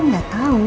aku kan gak tau